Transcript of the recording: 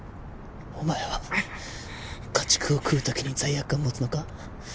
お前は家畜を食う時に罪悪感を持つのか？